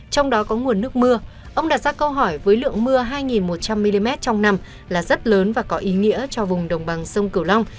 trong đó có nguồn nước mưa ông đặt ra câu hỏi với lượng mưa hai một trăm linh mm trong năm là rất lớn và có ý nghĩa cho vùng đồng bằng sông cửu long